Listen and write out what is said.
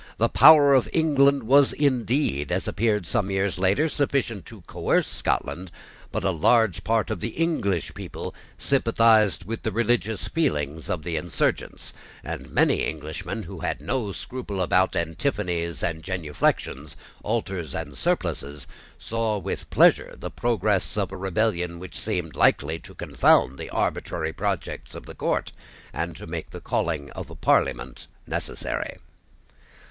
The power of England was indeed, as appeared some years later, sufficient to coerce Scotland: but a large part of the English people sympathised with the religious feelings of the insurgents; and many Englishmen who had no scruple about antiphonies and genuflexions, altars and surplices, saw with pleasure the progress of a rebellion which seemed likely to confound the arbitrary projects of the court, and to make the calling of a Parliament necessary.